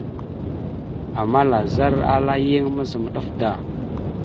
Ama lazar ala yan mazam ɗaf da.